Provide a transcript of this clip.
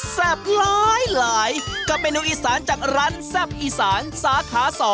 หลายกับเมนูอีสานจากร้านแซ่บอีสานสาขา๒